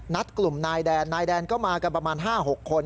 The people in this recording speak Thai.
กลุ่มนายแดนนายแดนก็มากันประมาณ๕๖คน